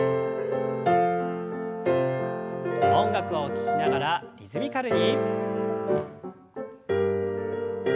音楽を聞きながらリズミカルに。